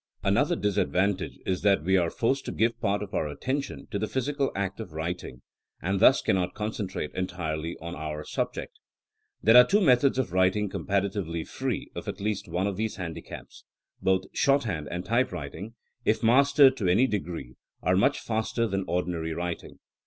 Another disadvantage is that we are forced to give part of our attention to the physical act of writing, and thus cannot concen trate entirely on our subject. There are two methods of writing compara tively free of at least one of these handicaps. Both shorthand and typewriting, if mastered to any degree, are much faster than ordinary writing.